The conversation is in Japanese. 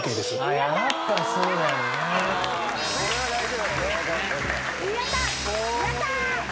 やったー！